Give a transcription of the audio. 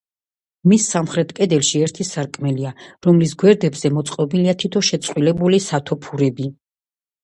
მის სამხრეთ კედელში ერთი სარკმელია, რომლის გვერდებზე მოწყობილია თითო შეწყვილებული სათოფურები.